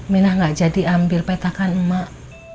minah gak jadi ambil petakan emak